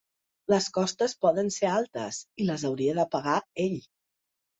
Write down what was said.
Les costes poden ser altes i les hauria de pagar ell.